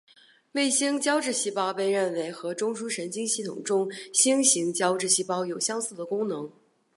卫星胶质细胞被认为和中枢神经系统中的星型胶质细胞有相似的功能。